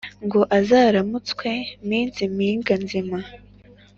ngo azaramutswe mpanzi mpinga nzima